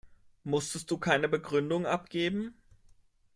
Musstest du keine Begründung angeben?